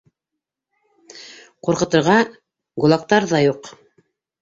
Ҡурҡытырға гулагтар ҙа юҡ.